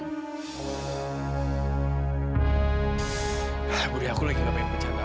nah budi aku lagi gak pengen bercanda